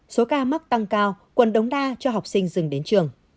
số ca mắc tăng cao quận đống đa cho học sinh dừng đến trường